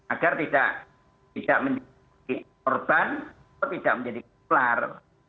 agar tidak menjadi korban atau tidak menjadi ular